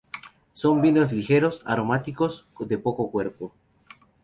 Son vinos ligeros, aromáticos, de poco cuerpo.